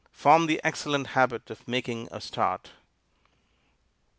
Form the excellent habit of making a start.